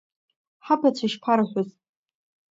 Ҳабацәа ишԥарҳәоз?